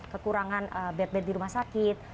kekurangan bed bed di rumah sakit